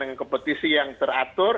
dengan kompetisi yang teratur